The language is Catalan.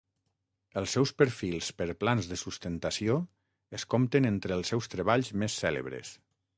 Els seus perfils per plans de sustentació es compten entre els seus treballs més cèlebres.